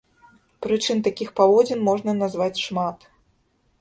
Прычын такіх паводзін можна назваць шмат.